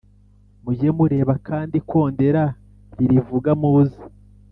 mujye mureba kandi ikondera nirivuga muze